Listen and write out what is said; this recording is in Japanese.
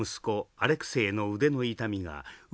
アレクセイの腕の痛みがう